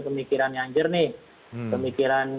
pemikiran yang jernih pemikiran